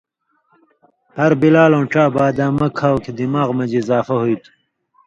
ہر بلالؤں ڇا بادامہ کھاؤ کھیں دماغ مژ اضافہ ہوتُھو۔